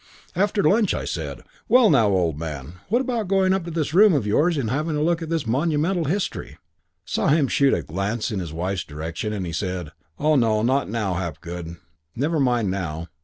III "After lunch I said, 'Well, now, old man, what about going up to this room of yours and having a look at this monumental history?' Saw him shoot a glance in his wife's direction, and he said, 'Oh, no, not now, Hapgood. Never mind now.'